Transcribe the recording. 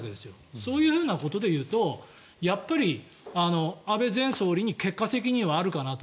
そういうふうなことで言うとやっぱり安倍前総理に結果責任はあるかなと。